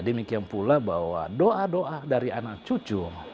demikian pula bahwa doa doa dari anak cucu